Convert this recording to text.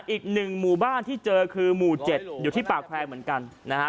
อีกหนึ่งหมู่บ้านที่เจอคือหมู่๗อยู่ที่ปากแควร์เหมือนกันนะฮะ